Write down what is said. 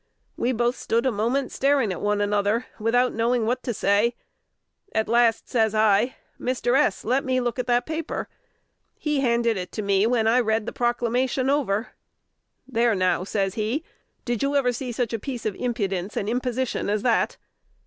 We both stood a moment staring at one another, without knowing what to say. At last says I, "Mr. S , let me look at that paper." He handed it to me, when I read the proclamation over. "There, now," says he, "did you ever see such a piece of impudence and imposition as that?"